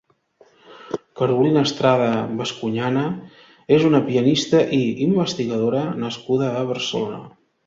Carolina Estrada Bascuñana és una pianista i investigadora nascuda a Barcelona.